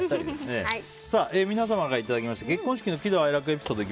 皆様からいただきました結婚式の喜怒哀楽エピソード。